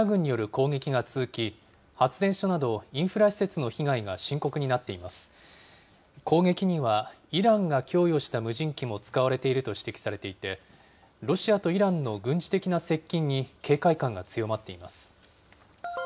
攻撃には、イランが供与した無人機も使われていると指摘されていて、ロシアとイランの軍事的な接近に警戒感が強まっています。